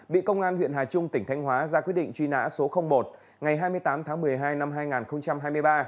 bị công an huyện hà trung tỉnh thanh hóa ra quyết định truy nã số một ngày hai mươi tám tháng một mươi hai năm hai nghìn hai mươi ba